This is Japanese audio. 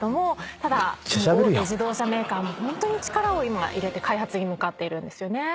ただ大手自動車メーカーもホントに力を今入れて開発に向かっているんですよね。